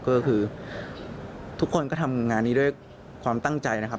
ก็คือทุกคนก็ทำงานนี้ด้วยความตั้งใจนะครับ